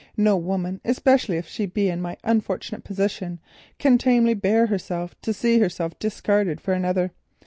No woman, especially if she be in my—unfortunate position, can tamely bear to see herself discarded for another.